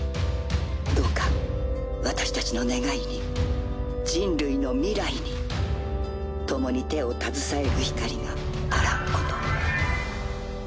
どうか私たちの願いに人類の未来に共に手を携える光があらんことを。